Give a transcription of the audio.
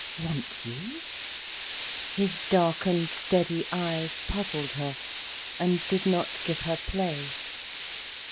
"Want you?" His darkened, steady eyes puzzled her and did not give her play.